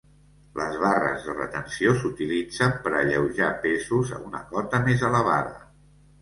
Les barres de retenció s'utilitzen per alleujar pesos a una cota més elevada.